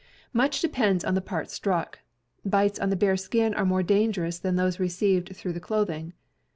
Much depends upon the part struck. Bites on the bare skin are more dangerous than those received through the clothing.